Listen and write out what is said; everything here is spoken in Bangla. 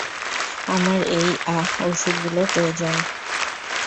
আমার এই, আহ, ঔষধগুলো প্রয়োজন।